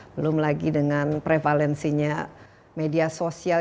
belum lagi dengan prevalensinya media sosial